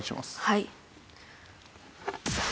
はい。